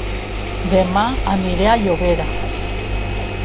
Dema aniré a Llobera